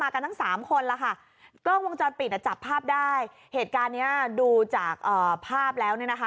กล้องวงจอดปิดจะจับภาพได้เหตุการณ์นี้ดูจากภาพแล้ว